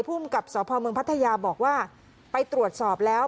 ภูมิกับสพเมืองพัทยาบอกว่าไปตรวจสอบแล้ว